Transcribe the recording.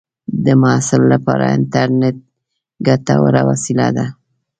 د محصل لپاره انټرنېټ ګټوره وسیله ده.